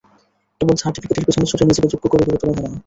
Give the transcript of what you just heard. কেবল সার্টিফিকেটের পেছনে ছুটে নিজেকে যোগ্য করে গড়ে তোলা যাবে না।